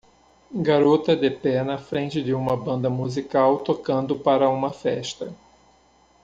Garota de pé na frente de uma banda musical tocando para uma festa